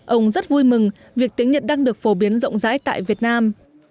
ông rất vui mừng việc tiếng nhật đang được phổ biến rộng rãi tại việt nam